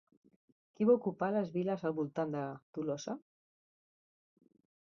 Qui va ocupar les viles al voltant de Tolosa?